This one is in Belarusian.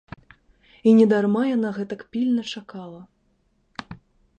І недарма яна гэтак пільна чакала.